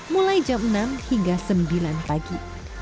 mulai jam enam hingga sembilan pagi